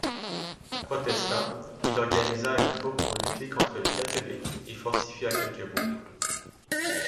Protestant, il organisa une troupe pour lutter contre les catholiques et fortifia quelques bourgs.